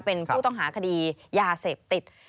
เป็นผู้ต้องหาคดียาเสพติด